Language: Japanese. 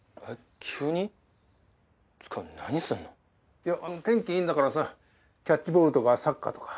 いや天気いいんだからさキャッチボールとかサッカーとか。